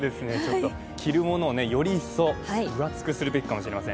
着るものをより一層、分厚くするべきかもしれません。